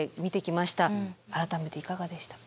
改めていかがでしたか？